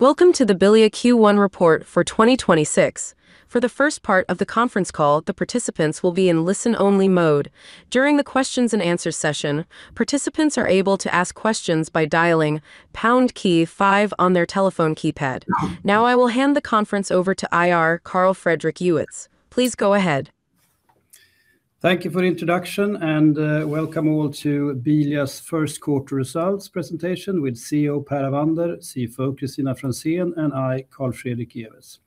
Welcome to the Bilia Q1 report for 2026. For the first part of the conference call, the participants will be in listen-only mode. During the questions-and-answers session, participants are able to ask questions by dialing pound key five on their telephone keypad. Now I will hand the conference over to IR Carl Fredrik Ewetz. Please go ahead. Thank you for the introduction, welcome all to Bilia's first quarter results presentation with CEO Per Avander, CFO Kristina Franzén, and I, Carl Fredrik Ewetz.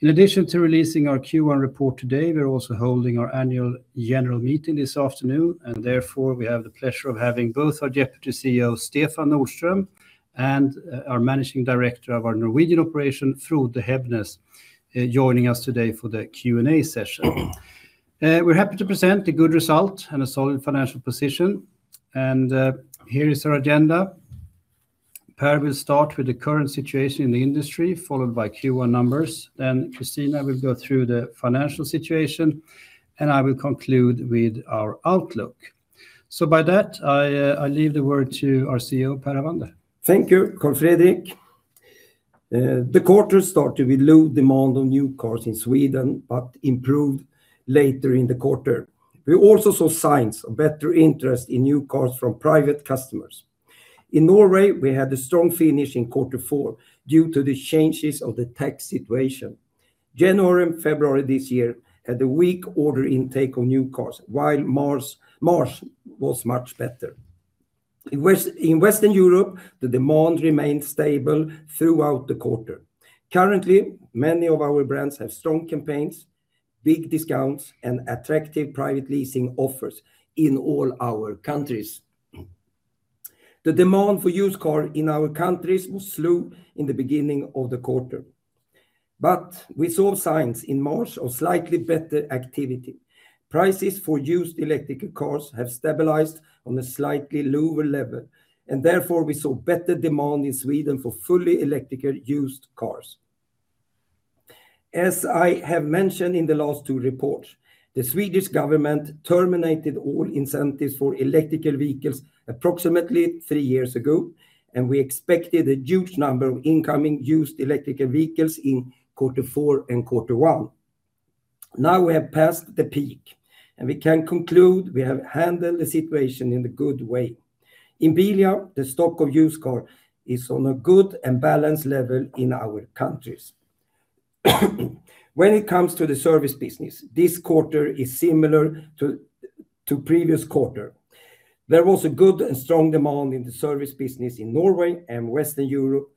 In addition to releasing our Q1 report today, we are also holding our annual general meeting this afternoon, therefore, we have the pleasure of having both our Deputy CEO, Stefan Nordström, and our Managing Director of our Norwegian operation, Frode Hebnes, joining us today for the Q&A session. We are happy to present a good result and a solid financial position, here is our agenda. Per will start with the current situation in the industry, followed by Q1 numbers, Kristina will go through the financial situation, I will conclude with our outlook. By that, I leave the word to our CEO, Per Avander. Thank you, Carl Fredrik. The quarter started with low demand on new cars in Sweden but improved later in the quarter. We also saw signs of better interest in new cars from private customers. In Norway, we had a strong finish in quarter four due to the changes of the tax situation. January and February this year had a weak order intake on new cars, while March was much better. In Western Europe, the demand remained stable throughout the quarter. Currently, many of our brands have strong campaigns, big discounts, and attractive private leasing offers in all our countries. The demand for used car in our countries was slow in the beginning of the quarter, but we saw signs in March of slightly better activity. Prices for used electrical cars have stabilized on a slightly lower level, and therefore, we saw better demand in Sweden for fully electrical used cars. As I have mentioned in the last two reports, the Swedish government terminated all incentives for electrical vehicles approximately three years ago, and we expected a huge number of incoming used electrical vehicles in quarter four and quarter one. Now we have passed the peak, and we can conclude we have handled the situation in a good way. In Bilia, the stock of used car is on a good and balanced level in our countries. When it comes to the service business, this quarter is similar to previous quarter. There was a good and strong demand in the service business in Norway and Western Europe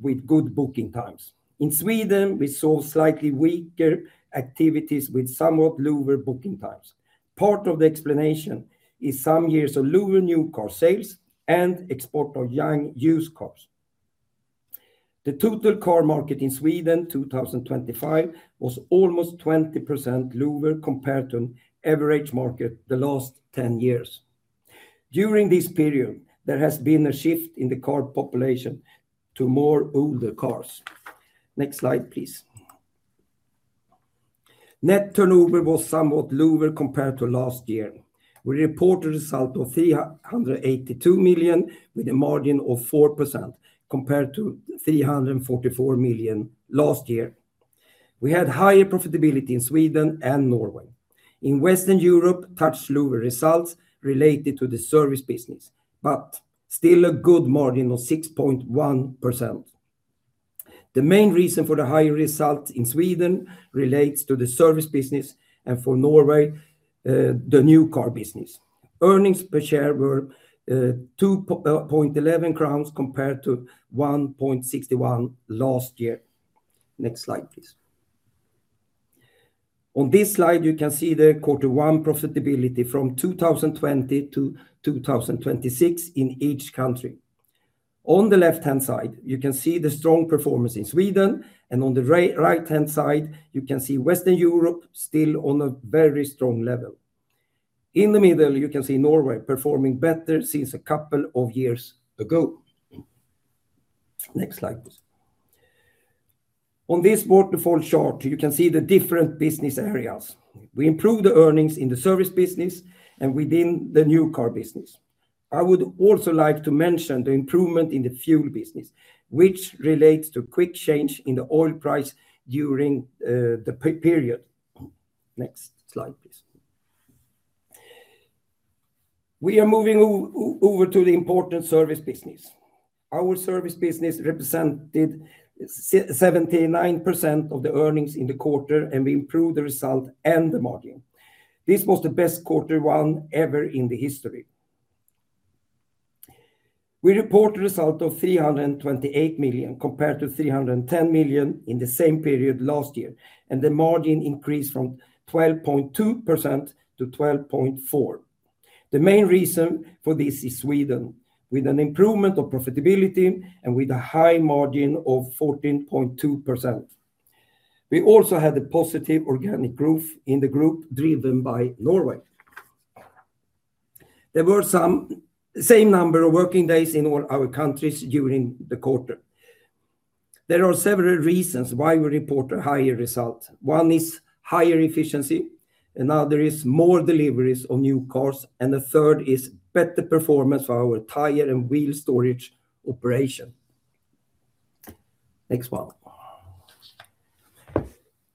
with good booking times. In Sweden, we saw slightly weaker activities with somewhat lower booking times. Part of the explanation is some years of lower new car sales and export of young used cars. The total car market in Sweden 2025 was almost 20% lower compared to an average market the last 10 years. During this period, there has been a shift in the car population to more older cars. Next slide, please. Net turnover was somewhat lower compared to last year. We report a result of 382 million with a margin of 4% compared to 344 million last year. We had higher profitability in Sweden and Norway. In Western Europe, touch lower results related to the service business, but still a good margin of 6.1%. The main reason for the higher result in Sweden relates to the service business and for Norway, the new car business. Earnings per share were 2.11 crowns compared to 1.61 last year. Next slide, please. On this slide, you can see the Q1 profitability from 2020-2026 in each country. On the left-hand side, you can see the strong performance in Sweden, and on the right-hand side, you can see Western Europe still on a very strong level. In the middle, you can see Norway performing better since a couple of years ago. Next slide, please. On this waterfall chart, you can see the different business areas. We improved the earnings in the service business and within the new car business. I would also like to mention the improvement in the fuel business, which relates to quick change in the oil price during the period. Next slide, please. We are moving over to the important service business. Our service business represented 79% of the earnings in the quarter, and we improved the result and the margin. This was the best quarter one ever in the history. We report a result of 328 million compared to 310 million in the same period last year, and the margin increased from 12.2%-12.4%. The main reason for this is Sweden, with an improvement of profitability and with a high margin of 14.2%. We also had a positive organic growth in the group driven by Norway. There were some same number of working days in all our countries during the quarter. There are several reasons why we report a higher result. One is higher efficiency. Now there is more deliveries of new cars, and the third is better performance for our tire and wheel storage operation. Next one.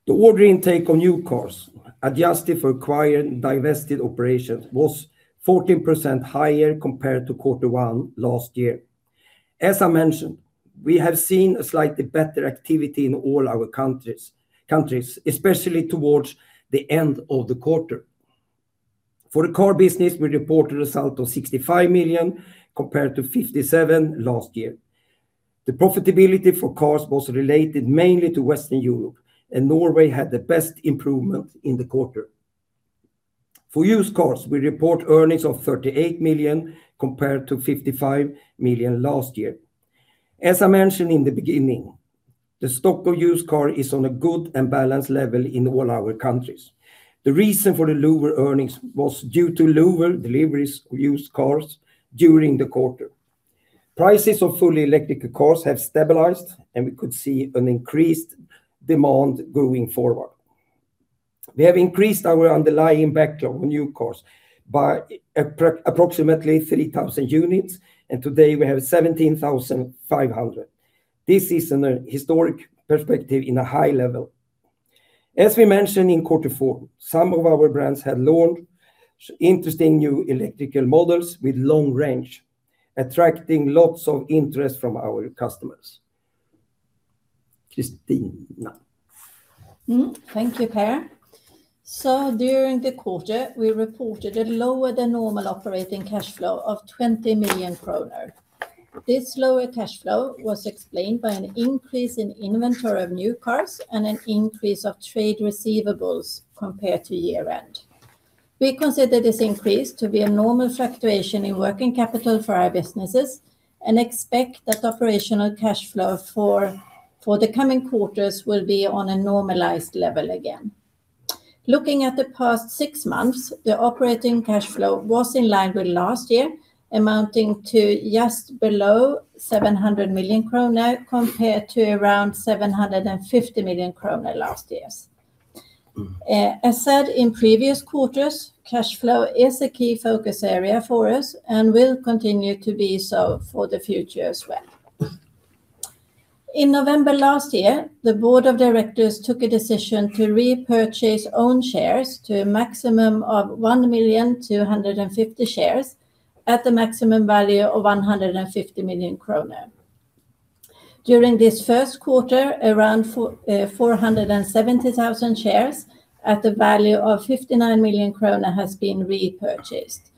The order intake on new cars, adjusted for acquired and divested operations, was 14% higher compared to quarter one last year. As I mentioned, we have seen a slightly better activity in all our countries, especially towards the end of the quarter. For the car business, we report a result of 65 million, compared to 57 million last year. The profitability for cars was related mainly to Western Europe, and Norway had the best improvement in the quarter. For used cars, we report earnings of 38 million, compared to 55 million last year. As I mentioned in the beginning, the stock of used car is on a good and balanced level in all our countries. The reason for the lower earnings was due to lower deliveries of used cars during the quarter. Prices of fully electric cars have stabilized. We could see an increased demand going forward. We have increased our underlying backlog of new cars by approximately 3,000 units. Today we have 17,500. This is in a historic perspective in a high level. As we mentioned in quarter four, some of our brands have launched interesting new electrical models with long range, attracting lots of interest from our customers. Kristina? Mm-hmm. Thank you, Per. During the quarter, we reported a lower than normal operating cash flow of 20 million kronor. This lower cash flow was explained by an increase in inventory of new cars and an increase of trade receivables compared to year end. We consider this increase to be a normal fluctuation in working capital for our businesses and expect that operational cash flow for the coming quarters will be on a normalized level again. Looking at the past six months, the operating cash flow was in line with last year, amounting to just below 700 million kronor, compared to around 750 million kronor last year's. Mm. As said in previous quarters, cash flow is a key focus area for us and will continue to be so for the future as well. In November last year, the board of directors took a decision to repurchase own shares to a maximum of 1,000,250 shares at the maximum value of 150 million kronor. During this first quarter, around 470,000 shares at the value of 59 million krona has been repurchased.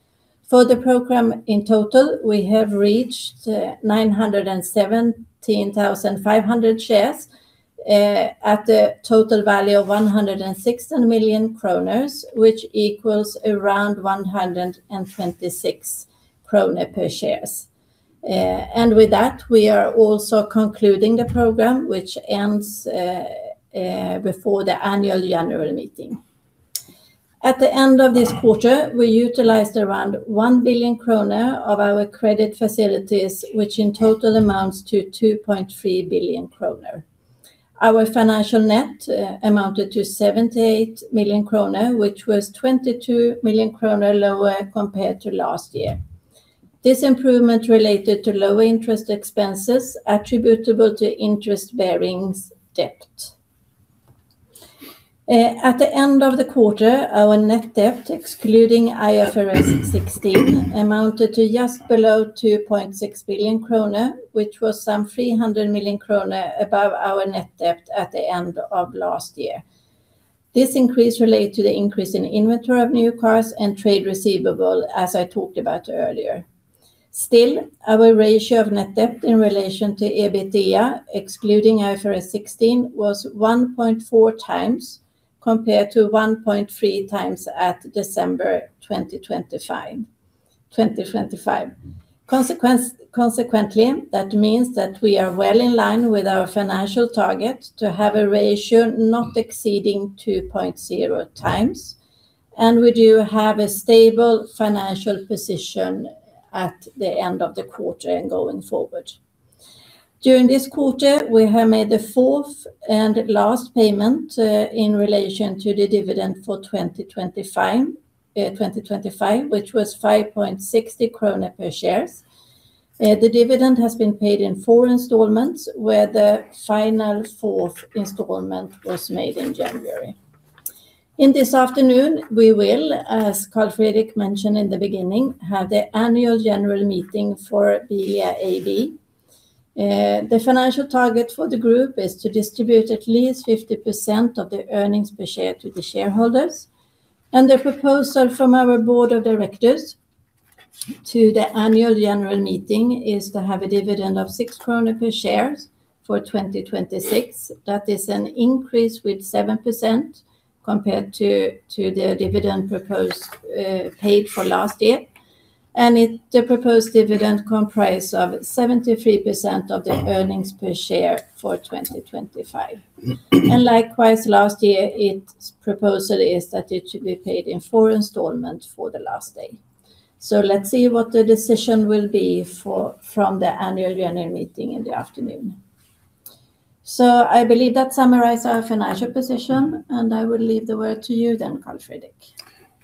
For the program in total, we have reached 917,500 shares at the total value of 116 million kronor, which equals around 126 kronor per shares. And with that, we are also concluding the program, which ends before the annual general meeting. At the end of this quarter, we utilized around 1 billion kronor of our credit facilities, which in total amounts to 2.3 billion kronor. Our financial net amounted to 78 million kronor, which was 22 million kronor lower compared to last year. This improvement related to lower interest expenses attributable to interest-bearing debt. At the end of the quarter, our net debt, excluding IFRS 16, amounted to just below 2.6 billion kronor, which was some 300 million kronor above our net debt at the end of last year. This increase related to the increase in inventory of new cars and trade receivables, as I talked about earlier. Still, our ratio of net debt in relation to EBITDA, excluding IFRS 16, was 1.4x, compared to 1.3x at December 2025. Consequently, that means that we are well in line with our financial target to have a ratio not exceeding 2.0x, and we do have a stable financial position at the end of the quarter and going forward. During this quarter, we have made the fourth and last payment in relation to the dividend for 2025, which was 5.60 krona per shares. The dividend has been paid in four installments, where the final fourth installment was made in January. In this afternoon, we will, as Carl Fredrik mentioned in the beginning, have the annual general meeting for Bilia AB. The financial target for the group is to distribute at least 50% of the earnings per share to the shareholders, and the proposal from our board of directors to the annual general meeting is to have a dividend of 6 krona per shares for 2026. That is an increase with 7% compared to the dividend proposed paid for last year. The proposed dividend comprise of 73% of the earnings per share for 2025. Likewise, last year, its proposal is that it should be paid in four installment for the last day. Let's see what the decision will be for, from the annual general meeting in the afternoon. I believe that summarizes our financial position, and I will leave the word to you then, Carl Fredrik.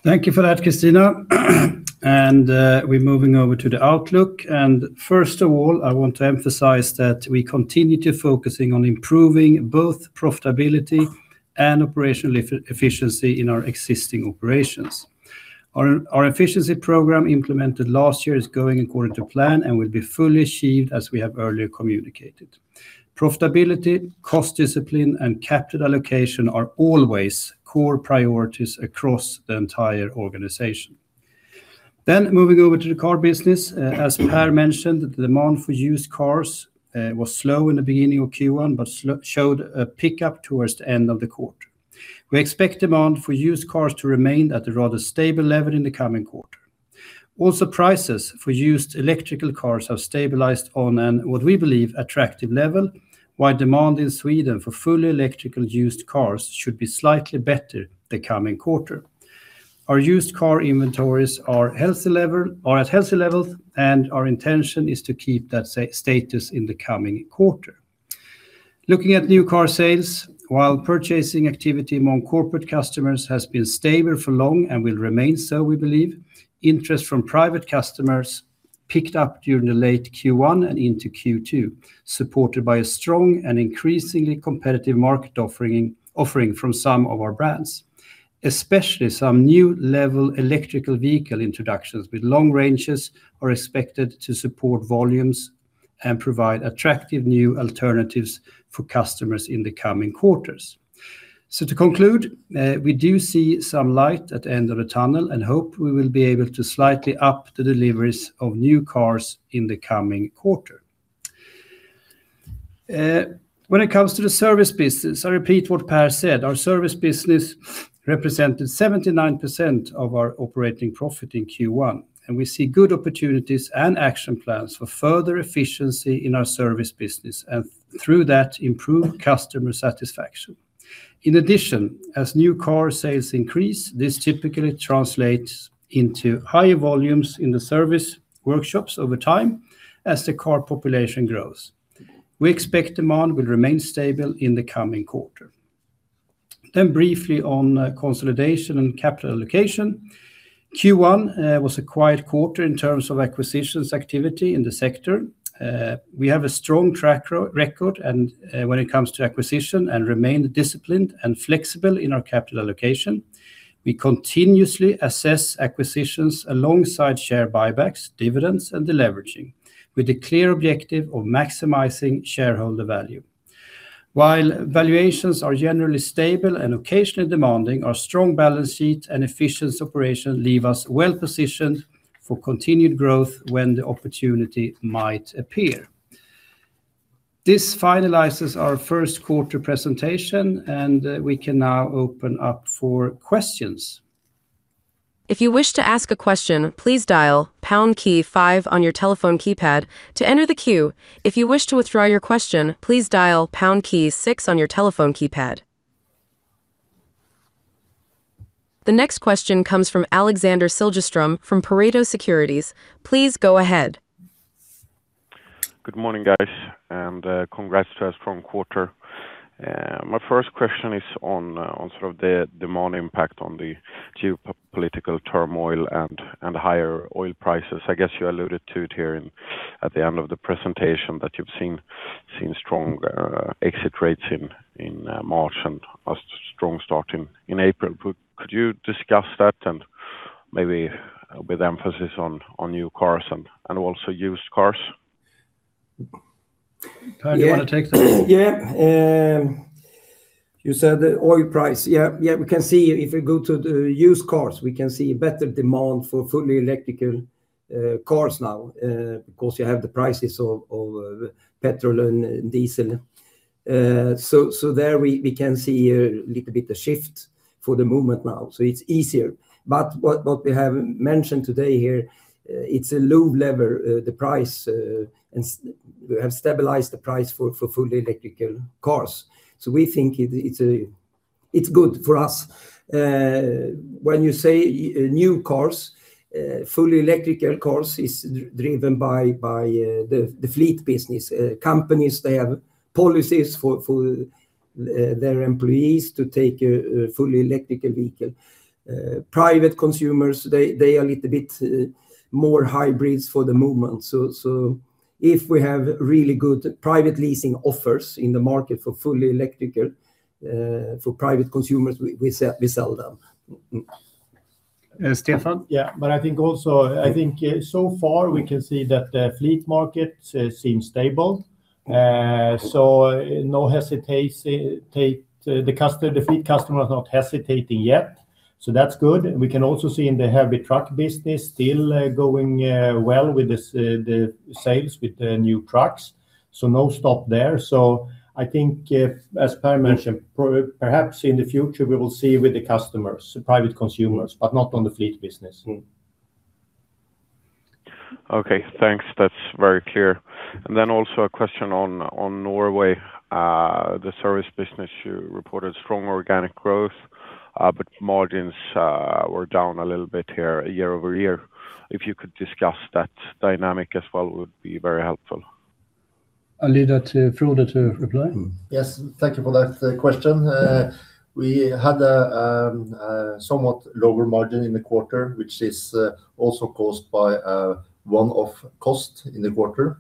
Thank you for that, Kristina. We're moving over to the outlook. First of all, I want to emphasize that we continue to focusing on improving both profitability and operational efficiency in our existing operations. Our efficiency program implemented last year is going according to plan and will be fully achieved as we have earlier communicated. Profitability, cost discipline, and capital allocation are always core priorities across the entire organization. Moving over to the car business, as Per mentioned, the demand for used cars was slow in the beginning of Q1, but showed a pickup towards the end of the quarter. We expect demand for used cars to remain at a rather stable level in the coming quarter. Prices for used electric cars have stabilized on an, what we believe, attractive level, while demand in Sweden for fully electric used cars should be slightly better the coming quarter. Our used car inventories are at healthy levels, and our intention is to keep that status in the coming quarter. Looking at new car sales, while purchasing activity among corporate customers has been stable for long and will remain so, we believe, interest from private customers picked up during the late Q1 and into Q2, supported by a strong and increasingly competitive market offering from some of our brands. Especially some new level electric vehicle introductions with long ranges are expected to support volumes and provide attractive new alternatives for customers in the coming quarters. To conclude, we do see some light at the end of the tunnel and hope we will be able to slightly up the deliveries of new cars in the coming quarter. When it comes to the service business, I repeat what Per said. Our service business represented 79% of our operating profit in Q1, and we see good opportunities and action plans for further efficiency in our service business and, through that, improve customer satisfaction. In addition, as new car sales increase, this typically translates into higher volumes in the service workshops over time as the car population grows. We expect demand will remain stable in the coming quarter. Briefly on consolidation and capital allocation. Q1 was a quiet quarter in terms of acquisitions activity in the sector. We have a strong track record and, when it comes to acquisition, and remain disciplined and flexible in our capital allocation. We continuously assess acquisitions alongside share buybacks, dividends, and deleveraging with a clear objective of maximizing shareholder value. While valuations are generally stable and occasionally demanding, our strong balance sheet and efficient operation leave us well-positioned for continued growth when the opportunity might appear. This finalizes our first quarter presentation, and, we can now open up for questions. If you wish to ask a question, please dial pound key five on your telephone keypad to enter the queue. If you wish to withdraw your question, please dial pound key six on your telephone keypad. The next question comes from Alexander Siljeström from Pareto Securities. Please go ahead. Good morning, guys, and congrats to a strong quarter. My first question is on sort of the demand impact on the geopolitical turmoil and higher oil prices. I guess you alluded to it here in, at the end of the presentation that you've seen strong exit rates in March and a strong start in April. Could you discuss that and maybe with emphasis on new cars and also used cars? Per, do you want to take that? Yeah. Yeah. You said the oil price. Yeah, yeah, we can see if we go to the used cars, we can see better demand for fully electrical cars now, because you have the prices of petrol and diesel. There we can see a little bit of shift for the moment now, so it's easier. What we have mentioned today here, it's a low lever, the price, and we have stabilized the price for fully electrical cars. We think it's good for us. When you say e-new cars, fully electrical cars is driven by the fleet business. Companies, they have policies for their employees to take a fully electrical vehicle. Private consumers, they are a little bit more hybrids for the moment. If we have really good private leasing offers in the market for fully electrical, for private consumers, we sell them. Stefan? I think also, I think, so far we can see that the fleet market seems stable. The fleet customer is not hesitating yet, that's good. We can also see in the heavy truck business still going well with the sales with the new trucks, no stop there. I think if, as Per mentioned, perhaps in the future we will see with the customers, the private consumers, but not on the fleet business. Okay, thanks. That's very clear. Also a question on Norway. The service business, you reported strong organic growth, but margins were down a little bit here year-over-year. If you could discuss that dynamic as well would be very helpful. I'll leave that to Frode to reply. Yes. Thank you for that question. We had a somewhat lower margin in the quarter, which is also caused by one-off cost in the quarter.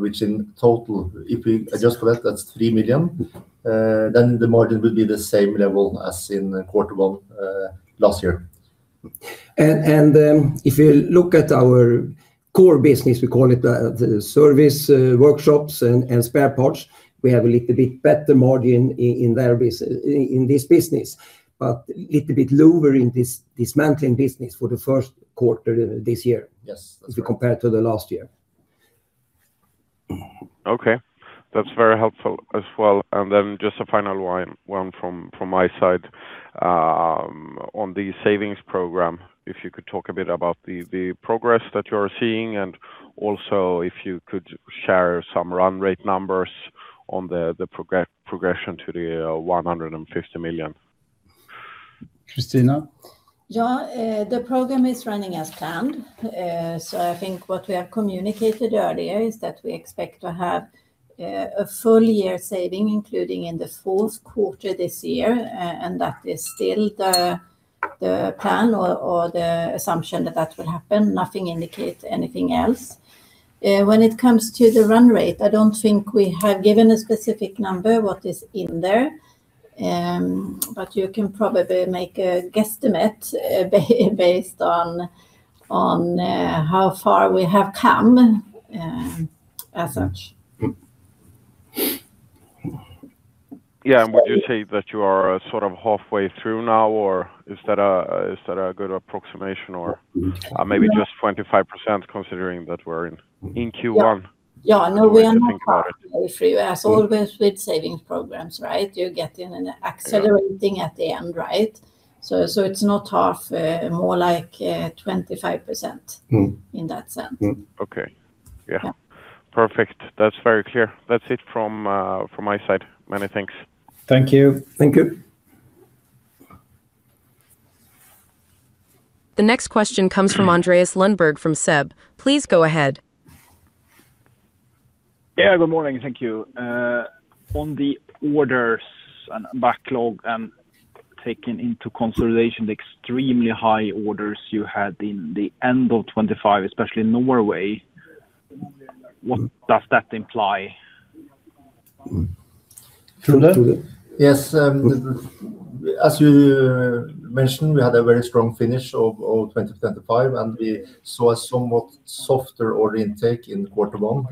Which in total, if we adjust for that's 3 million. Then the margin will be the same level as in quarter one last year. If you look at our core business, we call it, the service workshops and spare parts, we have a little bit better margin in this business. Little bit lower in this dismantling business for the first quarter this year. Yes, that's correct if we compare it to the last year. Okay. That is very helpful as well. Just a final one from my side. On the savings program, if you could talk a bit about the progress that you are seeing, and also if you could share some run rate numbers on the progression to the 150 million. Kristina? The program is running as planned. I think what we have communicated earlier is that we expect to have a full year saving, including in the fourth quarter this year. That is still the plan or the assumption that that will happen. Nothing indicates anything else. When it comes to the run rate, I don't think we have given a specific number what is in there. You can probably make a guesstimate based on how far we have come as such. Yeah. Would you say that you are sort of halfway through now, or is that a, is that a good approximation or maybe just 25% considering that we're in Q1? Yeah. No, we are not halfway through. As always with savings programs, right, you get in an accelerating at the end, right? It's not half, more like 25%. Mm. In that sense. Okay. Yeah. Yeah. Perfect. That's very clear. That's it from my side. Many thanks. Thank you. Thank you. The next question comes from Andreas Lundberg from SEB. Please go ahead. Yeah, good morning. Thank you. On the orders and backlog, taken into consideration the extremely high orders you had in the end of 2025, especially in Norway, what does that imply? Frode? Frode. Yes, as you mentioned, we had a very strong finish of 2025, and we saw a somewhat softer order intake in quarter one.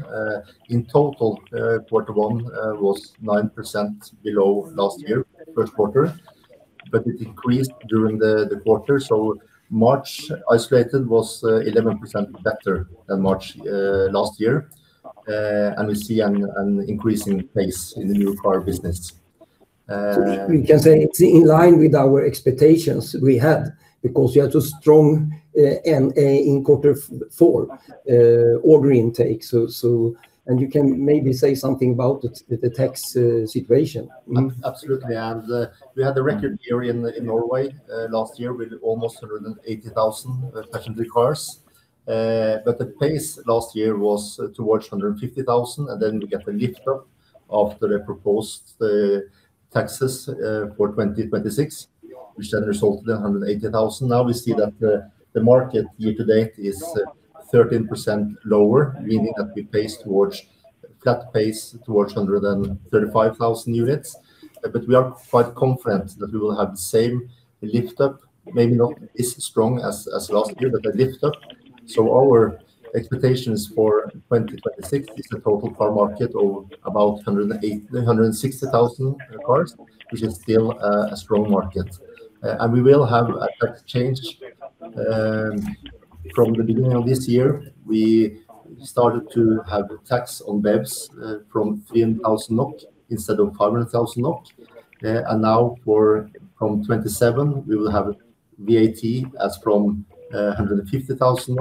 In total, quarter one was 9% below last year, first quarter, but it increased during the quarter. March isolated was 11% better than March last year. We see an increasing pace in the new car business. We can say it's in line with our expectations we had because we had a strong end in quarter four order intake. You can maybe say something about it with the tax situation. Absolutely. We had the record year in Norway last year with almost 180,000 passenger cars. The pace last year was towards 150,000, and we get the lift up after the proposed taxes for 2026, which resulted in 180,000. We see that the market year to date is 13% lower, meaning that we pace towards flat pace towards 135,000 units. We are quite confident that we will have the same lift up, maybe not as strong as last year, but a lift up. Our expectations for 2026 is the total car market of about 160,000 cars, which is still a strong market. We will have a change from the beginning of this year. We started to have a tax on BEVs from 3,000 NOK instead of 500,000 NOK. From 2027, we will have VAT as from 150,000,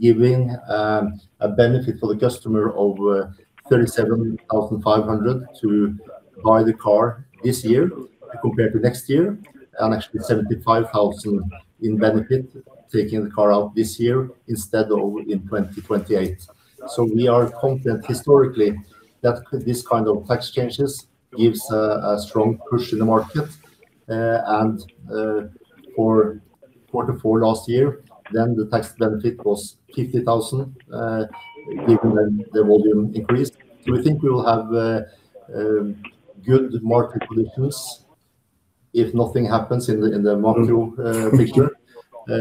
giving a benefit for the customer of 37,500 to buy the car this year compared to next year. Actually, 75,000 in benefit taking the car out this year instead of in 2028. We are confident historically that this kind of tax changes gives a strong push to the market. For Q4 last year, the tax benefit was 50,000 even when the volume increased. We think we will have good market conditions if nothing happens in the macro picture.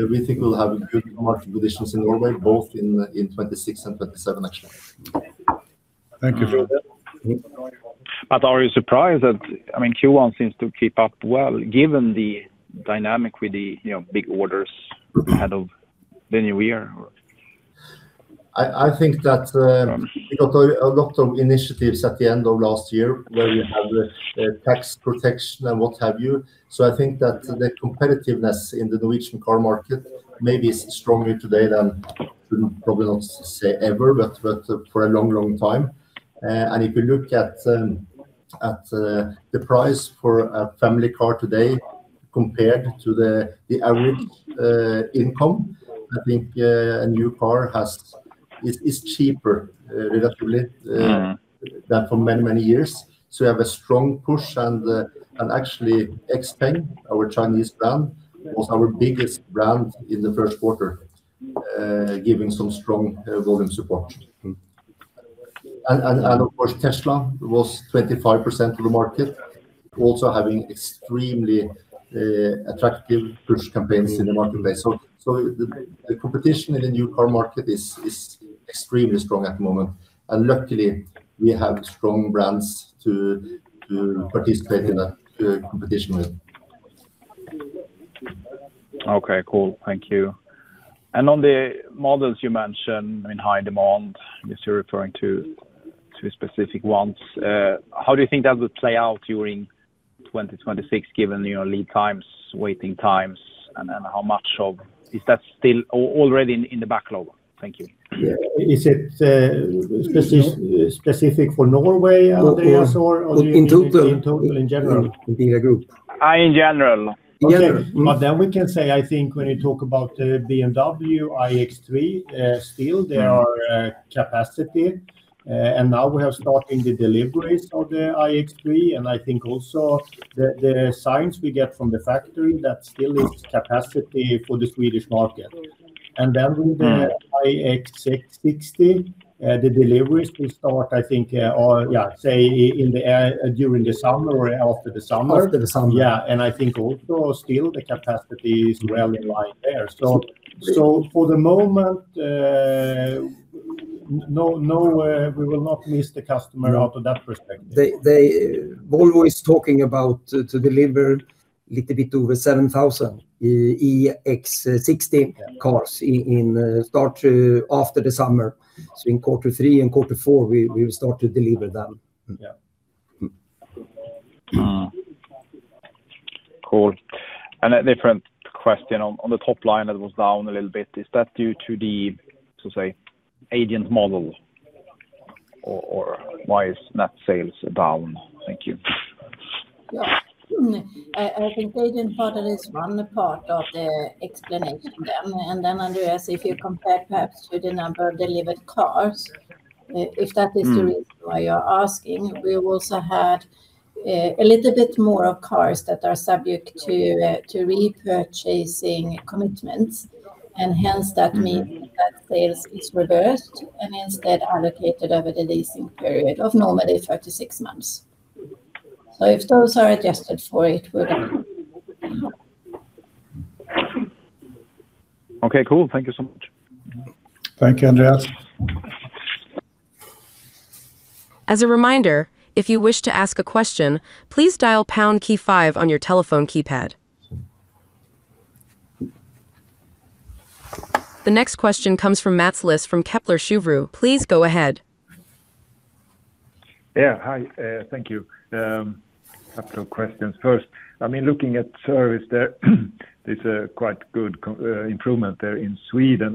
We think we'll have good market conditions in Norway both in 2026 and 2027 actually. Thank you, Frode. Are you surprised that, I mean, Q1 seems to keep up well, given the dynamic with the, you know, big orders ahead of the new year? I think that we got a lot of initiatives at the end of last year where you have the tax protection and what have you. I think that the competitiveness in the Norwegian car market maybe is stronger today than, probably not say ever, but for a long time, and if you look at the price for a family car today compared to the average income, I think a new car is cheaper relatively- Mm-hmm than for many, many years. We have a strong push and actually XPENG, our Chinese brand, was our biggest brand in the first quarter, giving some strong volume support. Mm. Of course, Tesla was 25% of the market, also having extremely attractive push campaigns in the marketplace. The competition in the new car market is extremely strong at the moment, and luckily we have strong brands to participate in that competition with. Okay, cool. Thank you. On the models you mentioned in high demand, if you're referring to specific ones, how do you think that would play out during 2026 given your lead times, waiting times, and how much of that is still already in the backlog? Thank you. Yeah. Is it specific for Norway, Andreas, or only- In total in total, in general? In the group. In general. Okay. We can say, I think when you talk about BMW iX3, still there is capacity. Now we are starting the deliveries of the iX3, and I think also the signs we get from the factory that still is capacity for the Swedish market. Mm.... iX xDrive60, the deliveries will start, I think, during the summer or after the summer. After the summer. Yeah. I think also still the capacity is well in line there. So for the moment, no, we will not miss the customer out of that perspective. Volvo is talking about to deliver little bit over 7,000 EX60 cars in start to after the summer. In quarter three and quarter four we will start to deliver them. Yeah. Mm. Cool. A different question. On the top line, it was down a little bit. Is that due to the so-called agent model or why is net sales down? Thank you. Yeah. I think agent model is one part of the explanation then. Then, Andreas, if you compare perhaps to the number of delivered cars, if that is the reason why you're asking, we also had a little bit more of cars that are subject to repurchasing commitments, and hence that means that sales is reversed and instead allocated over the leasing period of normally 36 months. If those are adjusted for it, we're done. Okay, cool. Thank you so much. Thank you, Andreas. As a reminder, if you wish to ask a question, please dial pound key five on your telephone keypad. The next question comes from Mats Liss from Kepler Cheuvreux. Please go ahead. Yeah. Hi, thank you. Couple of questions. First, I mean, looking at service there's a quite good improvement there in Sweden.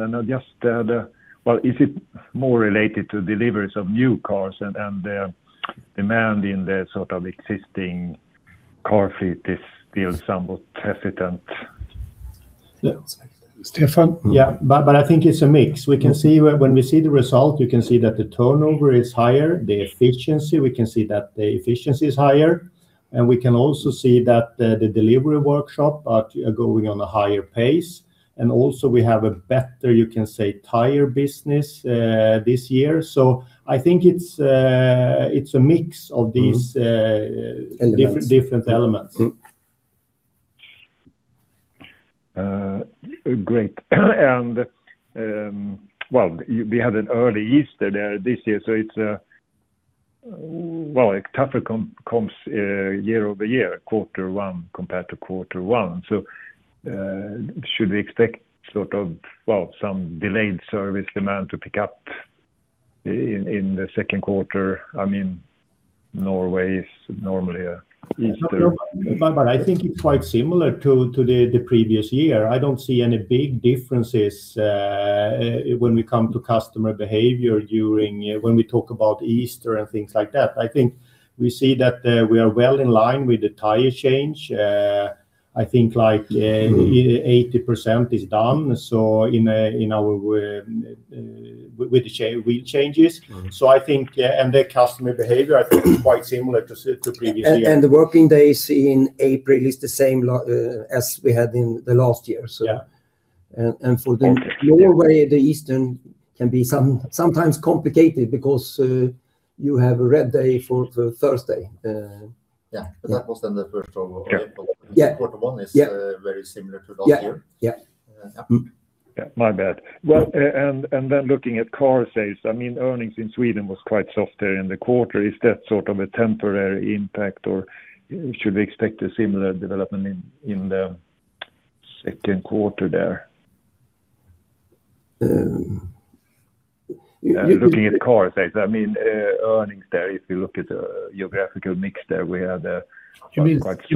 Well, is it more related to deliveries of new cars and the demand in the sort of existing car fleet is still somewhat hesitant? Yeah. Stefan? Yeah. I think it's a mix. We can see when we see the result, you can see that the turnover is higher. The efficiency, we can see that the efficiency is higher. We can also see that the delivery workshop are going on a higher pace. Also we have a better, you can say, tire business this year. I think it's a mix of these. Elements Different elements. Mm. Great. We had an early Easter there this year, so it's a tougher comps year over year, quarter one compared to quarter one. Should we expect some delayed service demand to pick up in the second quarter? I mean, Norway is normally a Easter- I think it's quite similar to the previous year. I don't see any big differences when we come to customer behavior during when we talk about Easter and things like that. I think we see that we are well in line with the tire change. I think like 80% is done, so in our with the wheel changes. Mm-hmm. I think, yeah, and the customer behavior, I think is quite similar to previous year. The working days in April is the same as we had in the last year, so. Yeah. for the- Okay Norway, the Easter can be sometimes complicated because you have a red day for the Thursday. Yeah. That was then the first of April. Yeah. Yeah. Quarter one is. Yeah very similar to last year. Yeah. Yeah. Yeah. Yeah, my bad. Well, then looking at car sales, I mean, earnings in Sweden was quite soft there in the quarter. Is that sort of a temporary impact, or should we expect a similar development in the second quarter there? Yeah, looking at car sales, I mean, earnings there, if you look at geographical mix there, we had. You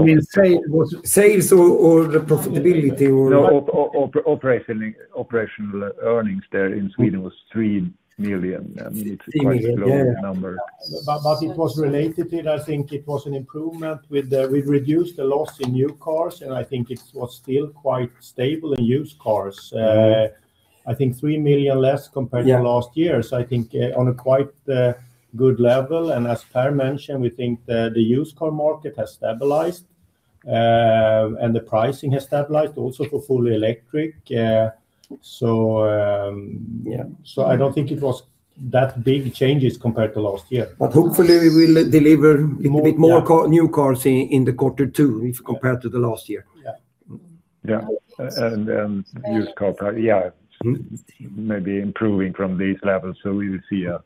mean sales or the profitability or. No, operational earnings there in Sweden was 3 million. It's quite a low number. It was related and I think it was an improvement with the. We've reduced the loss in new cars, and I think it was still quite stable in used cars. I think 3 million less compared to- Yeah... last year. I think on a quite good level. As Per mentioned, we think the used car market has stabilized. The pricing has stabilized also for fully electric. I don't think it was that big changes compared to last year. Hopefully we will deliver little bit more new cars in the quarter two if compared to the last year. Yeah. Yeah. Yeah. Used cars, yeah, maybe improving from these levels. We will see a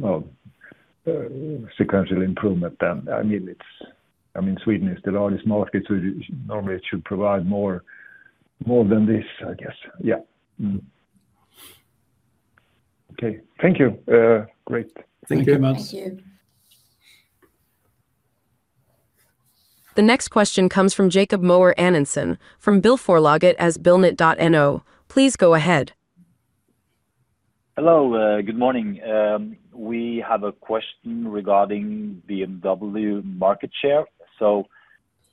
well sequential improvement then. I mean, it's I mean, Sweden is the largest market, so it normally it should provide more than this, I guess. Yeah. Mm. Okay. Thank you. Great. Thank you. Thank you, Mats. Thank you. The next question comes from Jacob Mower Anenson from Bilforlaget / bilnytt.no. Please go ahead. Hello. Good morning. We have a question regarding BMW market share.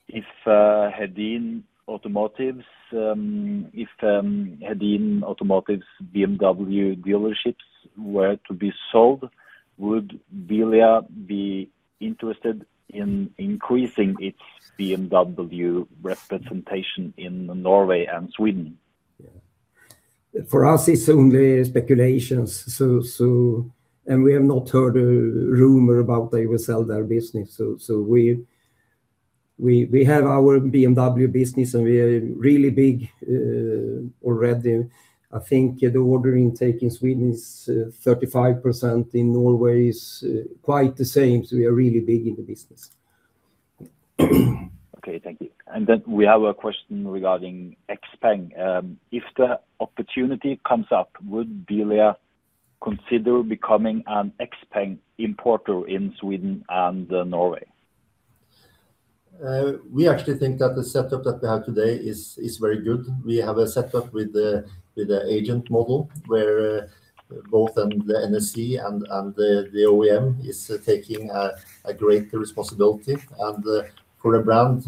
If Hedin Automotive BMW dealerships were to be sold, would Bilia be interested in increasing its BMW representation in Norway and Sweden? Yeah. For us, it's only speculations. We have not heard a rumor about they will sell their business. We have our BMW business, and we are really big already. I think the order intake in Sweden is 35%. In Norway it's quite the same. We are really big in the business. Okay. Thank you. We have a question regarding XPENG. If the opportunity comes up, would Bilia consider becoming an XPENG importer in Sweden and Norway? We actually think that the setup that we have today is very good. We have a setup with the agent model where both the NSC and the OEM is taking a greater responsibility. For a brand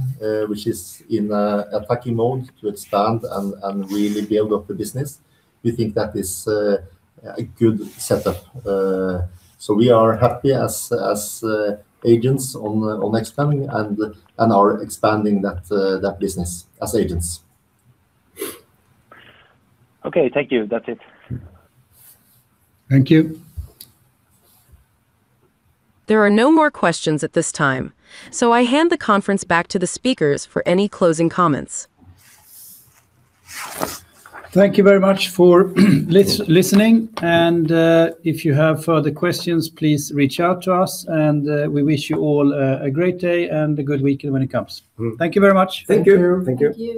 which is in attacking mode to expand and really build up the business, we think that is a good setup. We are happy as agents on XPENG and are expanding that business as agents. Okay. Thank you. That's it. Thank you. There are no more questions at this time, so I hand the conference back to the speakers for any closing comments. Thank you very much for listening. If you have further questions, please reach out to us. We wish you all a great day and a good weekend when it comes. Mm. Thank you very much. Thank you. Thank you. Thank you.